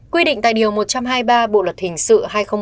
quy định tại điều một trăm hai mươi ba bộ luật hình sự hai nghìn một mươi năm